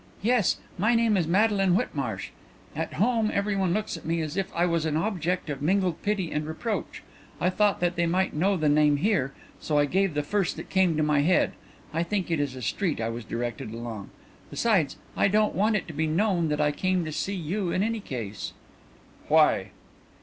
"Yes. My name is Madeline Whitmarsh. At home everyone looks at me as if I was an object of mingled pity and reproach. I thought that they might know the name here, so I gave the first that came into my head. I think it is a street I was directed along. Besides, I don't want it to be known that I came to see you in any case." "Why?"